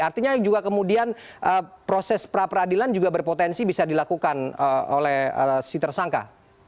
artinya juga kemudian proses pra peradilan juga berpotensi bisa dilakukan oleh si tersangka